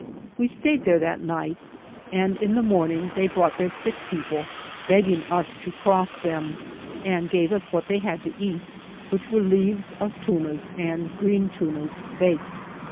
We stayed there that night, and in the morning they brought their sick people, begging us to cross them, and gave us of what they had to eat, which were leaves of tunas and green tunas baked.